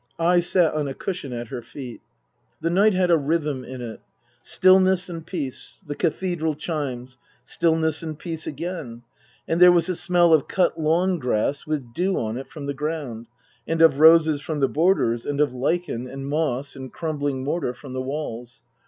I sat on a cushion at her feet. The night had a rhythm in it. Stillness and peace. The Cathedral chimes. Stillness and peace again. And there was a smell of cut lawn grass with dew on it from the ground, and of roses from the borders, and of lichen Book II : Her Book 137 and moss and crumbling mortar from the walls.